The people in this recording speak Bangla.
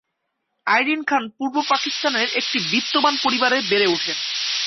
আইরিন খান পূর্ব পাকিস্তানের একটি বিত্তবান পরিবারে বেড়ে ওঠেন।